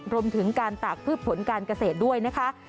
รวมถึงการตากพืชผลการเกษตรด้วยนะคะ